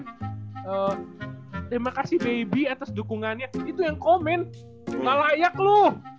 terima kasih baby atas dukungannya itu yang komen gak layak loh